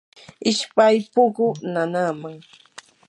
ishpay pukuu nanaaman.